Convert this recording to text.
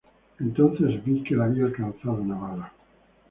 Entonces vi que una bala le alcanzó.